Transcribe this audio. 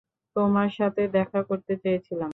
তোমার সাথে দেখা করতে চেয়েছিলাম।